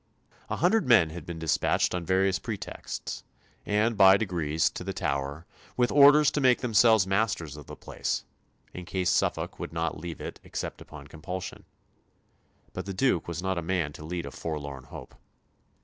A hundred men had been despatched on various pretexts, and by degrees, to the Tower, with orders to make themselves masters of the place, in case Suffolk would not leave it except upon compulsion; but the Duke was not a man to lead a forlorn hope.